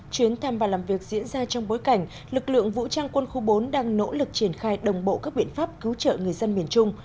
chuyến thăm và làm việc diễn ra trong bối cảnh lực lượng vũ trang quân khu bốn đang nỗ lực triển khai đồng bộ các biện pháp cứu trợ người dân miền trung